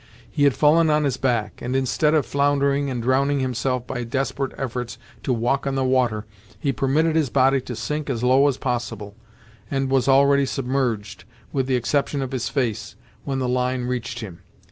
He had fallen on his back, and instead of floundering and drowning himself by desperate efforts to walk on the water, he permitted his body to sink as low as possible, and was already submerged, with the exception of his face, when the line reached him.